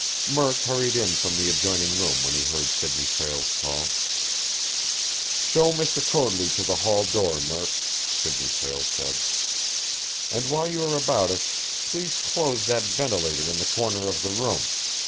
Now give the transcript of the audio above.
Murk hurried in from the adjoining room when he heard Sidney Prale's call. "Show Mr. Coadley to the hall door, Murk!" Sidney Prale said. "And while you are about it, please close that ventilator in the corner of the room.